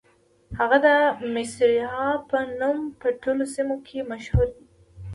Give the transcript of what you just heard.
هغه د مصرعها په نوم په ټولو سیمو کې مشهورې دي.